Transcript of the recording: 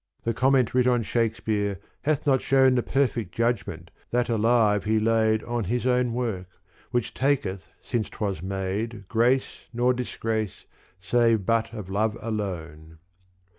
The comment writ on Shakespeare hath not shown The perfect judgment that alive he laid On his own work, which taketh since 't was made Grace nor disgrace save but of love alone.